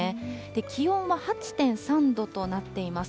気温は８．３度となっています。